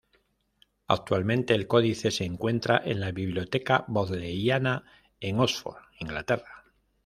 Actualmente, el códice se encuentra en la Biblioteca Bodleiana, en Oxford, Inglaterra.